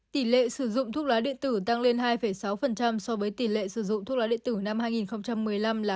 tỷ lệ sử dụng thuốc lá điện tử tăng lên hai sáu so với tỷ lệ sử dụng thuốc lá điện tử năm hai nghìn một mươi năm là